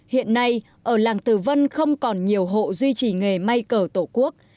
hiện nay ở làng từ vân không còn nhiều hộ duy trì nghề may cờ tổ quốc